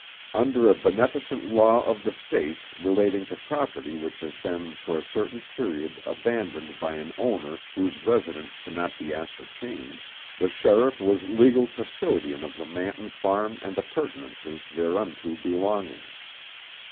Under a beneficent law of the State relating to property which has been for a certain period abandoned by an owner whose residence cannot be ascertained, the sheriff was legal custodian of the Manton farm and appurtenances thereunto belonging.